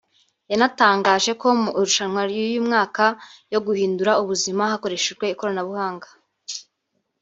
yatangaje ko mu marushanwa y’uyu mwaka yo guhindura ubuzima hakoreshejwe ikorabuhanga